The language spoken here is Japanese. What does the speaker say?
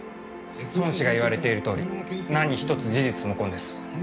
尊師が言われている通り何ひとつ事実無根です。